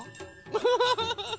ウフフフフ！